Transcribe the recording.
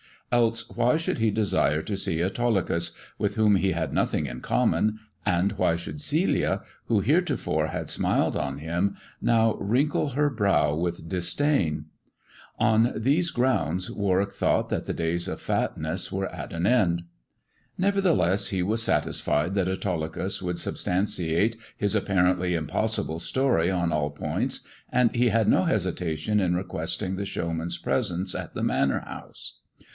Else why should he desire to SS THE DWARF*S CHAMBER see Autolycus, with whom he had nothing in common, and why should Celia, who heretofore had smiled on him, now wrinkle her brow with disdain 1 On these grounds Warwick thought that the days of fatness were at an end. Nevertheless, he was satisfied that Autolycus would sub stantiate his apparently impossible story on all points, and he had no hesitation in requesting the showman's presence at the Manor House.